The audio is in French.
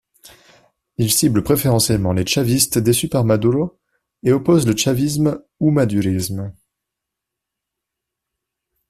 Il cible préférentiellement les chavistes déçus par Maduro et oppose le chavisme ou madurisme.